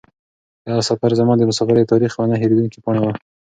دا سفر زما د مسافرۍ د تاریخ یوه نه هېرېدونکې پاڼه وه.